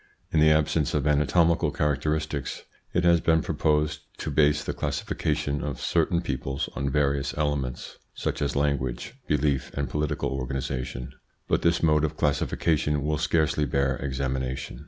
In the absence of anatomical characteristics, it has been proposed to base the classification of certain peoples on various elements, such as language, belief, and political organisation ; but this mode of classifica tion will scarcely bear examination.